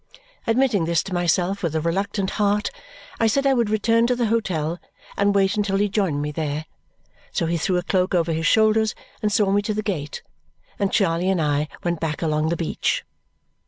Admitting this to myself with a reluctant heart, I said I would return to the hotel and wait until he joined me there, so he threw a cloak over his shoulders and saw me to the gate, and Charley and I went back along the beach.